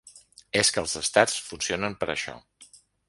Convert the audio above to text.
És que els estats funcionen per això.